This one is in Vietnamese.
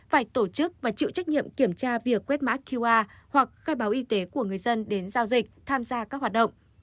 phải tổ chức và chịu trách nhiệm kiểm tra việc quét mã qr hoặc khai báo y tế của người dân đến giao dịch tham gia các hoạt động